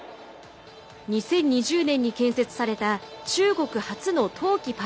２０２０年に建設された中国初の冬季